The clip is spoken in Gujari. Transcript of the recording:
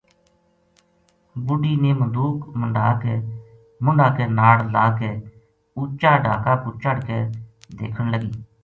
بُڈھی نے مدوک منڈھا کے ناڑ لا کے اُچا ڈھاکا پو چڑھ کے دیکھن لگی